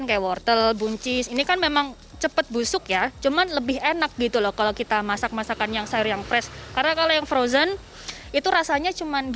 kurang cocok ya kalau saya